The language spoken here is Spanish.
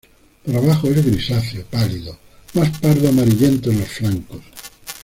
Por abajo es grisáceo pálido, más pardo amarillento en los flancos.